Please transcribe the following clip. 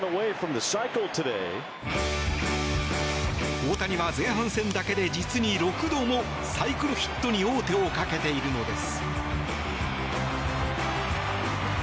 大谷は前半戦だけで実に６度もサイクルヒットに王手をかけているのです。